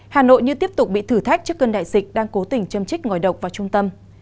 hà nội như tiếp tục bị thử thách trước cơn đại dịch đang cố tình châm trích ngòi độc vào trung tâm